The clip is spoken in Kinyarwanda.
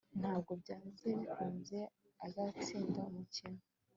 Ntabwo byanze bikunze azatsinda umukino